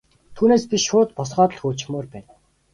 Түүнээс биш шууд босгоод л хөөчихмөөр байна.